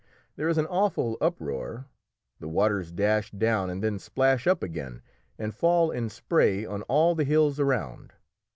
There is an awful uproar; the waters dash down and then splash up again and fall in spray on all the hills around.